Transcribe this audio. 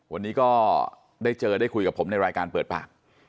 วันนี้ก็ได้เจอได้คุยกับผมในรายการเปิดปาก